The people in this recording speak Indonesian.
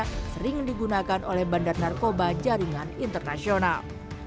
yang sering digunakan oleh bandar narkoba jaringan internasional